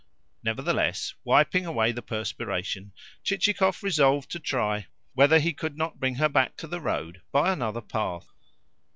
Nevertheless, wiping away the perspiration, Chichikov resolved to try whether he could not bring her back to the road by another path.